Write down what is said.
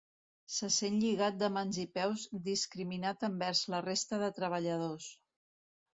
Se sent lligat de mans i peus i discriminat envers la resta de treballadors.